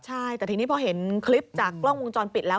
ใช่แต่ทีนี้พอเห็นคลิปจากกล้องวงจรปิดแล้ว